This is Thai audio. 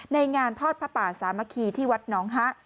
งานทอดผ้าป่าสามัคคีที่วัดน้องฮะ